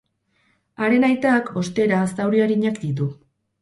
Haren aitak, ostera, zauri arinak ditu.